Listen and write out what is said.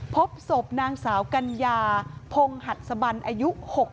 พบศพนางสาวกัญญาพงหัดสบันอายุ๖๐